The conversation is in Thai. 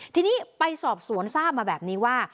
ทีนี้ไปสอบสวนทราบมาแบบนี้ว่า